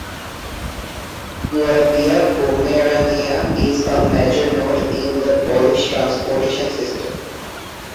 Kuyavia-Pomerania is a major node in the Polish transportation system.